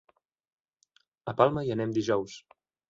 A Palma hi anem dijous.